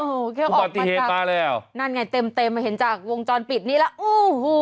อุบัติเหตุมาแล้วนั่นไงเต็มเห็นจากวงจรปิดนี้แล้วอู้หู